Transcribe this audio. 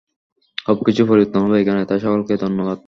সবকিছু পরিবর্তন হবে এখানে, তাই সকলকে ধন্যবাদ।